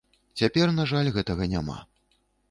Цяпер, на жаль, гэтага няма.